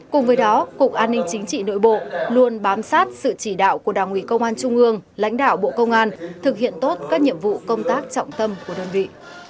cùng với đó cục an ninh chính trị nội bộ luôn bám sát sự chỉ đạo của đảng ủy công an trung ương lãnh đạo bộ công an thực hiện tốt các nhiệm vụ công tác trọng tâm của đơn vị